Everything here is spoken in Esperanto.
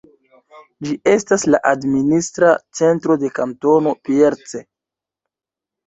Ĝi estas la administra centro de Kantono Pierce.